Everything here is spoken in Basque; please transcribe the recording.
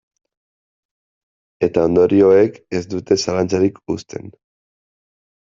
Eta ondorioek ez dute zalantzarik uzten.